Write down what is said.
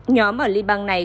nhóm ở liên bang này